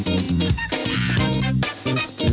ทำไมเขามีให้เลือกเลยว่าคนไหน